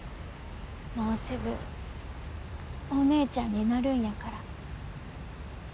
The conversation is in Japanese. もうすぐお姉ちゃんになるんやから。